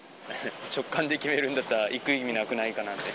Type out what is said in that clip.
直感で決めるんだったら、行く意味がなくないかなって。